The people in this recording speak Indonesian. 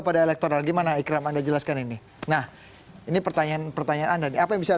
pada elektoral gimana ikram anda jelaskan ini nah ini pertanyaan pertanyaan anda nih apa yang bisa